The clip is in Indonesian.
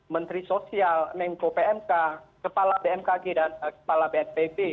menteri sosial menko pmk kepala bmkg dan kepala bnpb